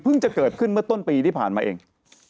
จะเกิดขึ้นเมื่อต้นปีที่ผ่านมาเอง